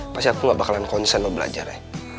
pasti aku gak bakalan konsen lo belajar ya